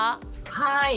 はい。